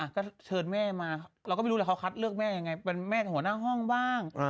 ก็เชิญแม่มาเราก็ไม่รู้แล้วเขาคัดเลือกแม่ยังไงเป็นแม่หัวหน้าห้องบ้าง